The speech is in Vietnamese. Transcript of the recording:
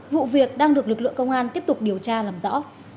vụ việc đang được lực lượng công an tiếp tục điều tra làm rõ